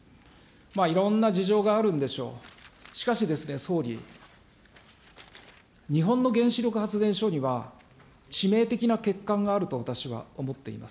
いろんな事情があるんでしょう、しかしですね、総理、日本の原子力発電所には、致命的な欠陥があると私は思っています。